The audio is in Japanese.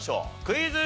クイズ。